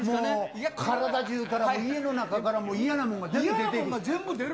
体じゅうから、家の中から、嫌なものが出ていく。